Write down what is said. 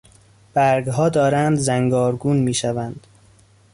برگها دارند زنگارگون میشوند.